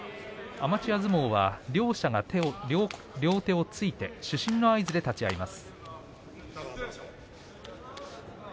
アマチュア相撲は両者が両手をついて主審の合図で立ち合います。